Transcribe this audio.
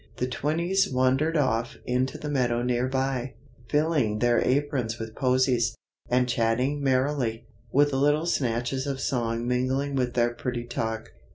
The twinnies wandered off into the meadow near by, filling their aprons with posies, and chattering merrily, with little snatches of song mingling with their pretty talk.